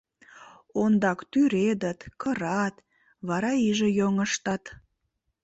Ондак тӱредыт, кырат, вара иже йоҥыштат!